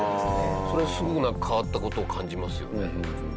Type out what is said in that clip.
それがすごく変わった事を感じますよね。